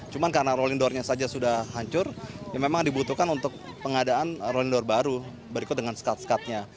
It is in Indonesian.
cuma karena rolling door nya saja sudah hancur ya memang dibutuhkan untuk pengadaan rolling door baru berikut dengan skat skatnya